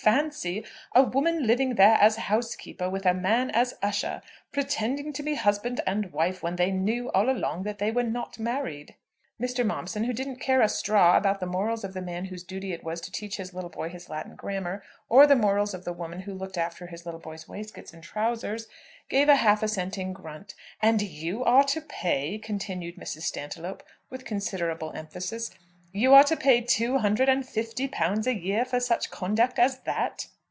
Fancy, a woman living there as house keeper with a man as usher, pretending to be husband and wife, when they knew all along that they were not married!" Mr. Momson, who didn't care a straw about the morals of the man whose duty it was to teach his little boy his Latin grammar, or the morals of the woman who looked after his little boy's waistcoats and trousers, gave a half assenting grunt. "And you are to pay," continued Mrs. Stantiloup, with considerable emphasis, "you are to pay two hundred and fifty pounds a year for such conduct as that!"